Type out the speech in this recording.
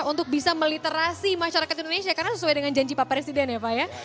untuk bisa meliterasi masyarakat indonesia karena sesuai dengan janji pak presiden ya pak ya